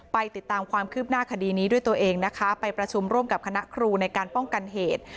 ไปติดตามความคืบหน้าคดีนี้ด้วยตัวเองนะคะไปประชุมร่วมกับคณะครูในการป้องกันเหตุ